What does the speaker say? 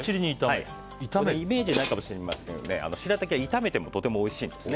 イメージないかもしれませんがしらたきは炒めてもとてもおいしいんですね。